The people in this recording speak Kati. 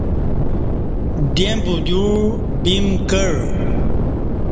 دیں بدیوع بیم کع